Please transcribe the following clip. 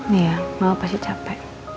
nih ya mau pasti capek